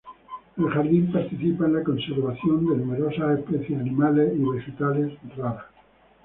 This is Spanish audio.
El jardín participa en la conservación de numerosas especies animales y vegetales raras.